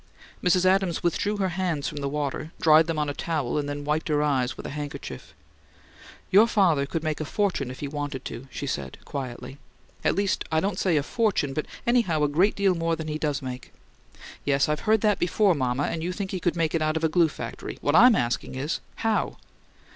Mrs. Adams withdrew her hands from the water, dried them on a towel, and then wiped her eyes with a handkerchief. "Your father could make a fortune if he wanted to," she said, quietly. "At least, I don't say a fortune, but anyhow a great deal more than he does make." "Yes, I've heard that before, mama, and you think he could make it out of a glue factory. What I'm asking is: How?"